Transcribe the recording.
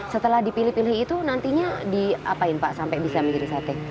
setelah dipilih pilih itu nantinya diapain pak sampai bisa menjadi sate